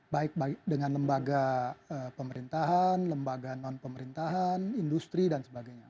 baik dengan lembaga pemerintahan lembaga non pemerintahan industri dan sebagainya